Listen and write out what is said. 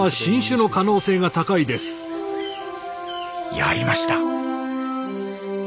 やりました！